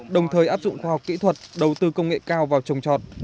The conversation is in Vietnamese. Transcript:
đồng thời áp dụng khoa học kỹ thuật đầu tư công nghệ cao vào trồng trọt